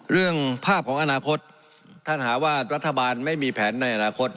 เรื่องภาพของอนาคตท่านหาว่ารัฐบาลไม่มีแผนในอนาคต